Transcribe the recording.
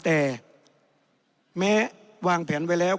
แต่แม้วางแผนไว้แล้ว